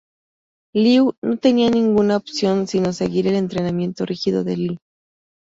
Liu no tenía ninguna opción sino seguir el entrenamiento rígido de Li.